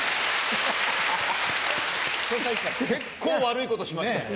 結構悪いことしましたね。